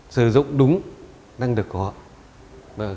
sử dụng đúng năng lực của họ